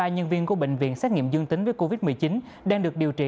ba nhân viên của bệnh viện xét nghiệm dương tính với covid một mươi chín đang được điều trị